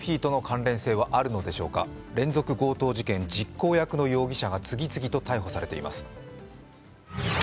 連続強盗事件、実行役の容疑者が次々と逮捕されています。